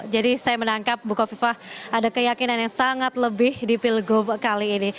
jadi saya menangkap bu kofifah ada keyakinan yang sangat lebih di pilgub kali ini